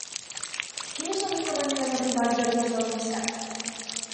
Quina és la millor manera d'arribar als jardins de l'Amistat?